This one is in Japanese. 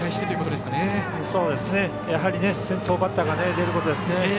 そうですね、やはり先頭バッターが出ることですね。